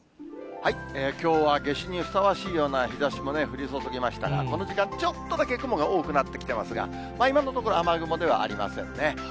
きょうは夏至にふさわしいような日ざしも降り注ぎましたが、この時間、ちょっとだけ雲が多くなってきてますが、今のところ、雨雲ではありませんね。